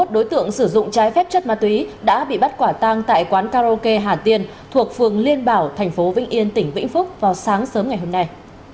hai mươi đối tượng sử dụng trái phép chất ma túy đã bị bắt quả tang tại quán karaoke hà tiên thuộc phường liên bảo thành phố vĩnh yên tỉnh vĩnh phúc vào sáng sớm ngày hôm nay